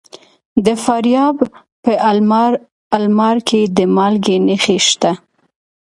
د فاریاب په المار کې د مالګې نښې شته.